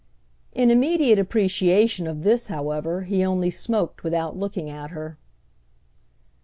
In immediate appreciation of this, however, he only smoked without looking at her.